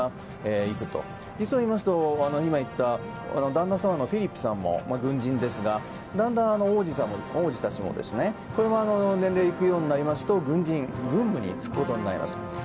実を言いますと旦那様のフィリップさんも軍人ですが、だんだん王子たちも年齢がいくようになりますと軍人、軍務に就くことになります。